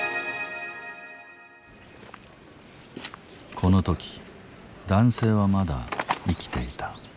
この時男性はまだ生きていた。